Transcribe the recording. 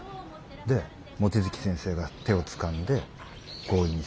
で望月先生が手をつかんで強引に席に座らせた。